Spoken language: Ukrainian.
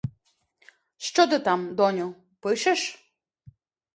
Що ти там, доню, пишеш?